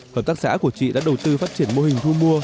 hợp tác xã của chị đã đầu tư phát triển mô hình thu mua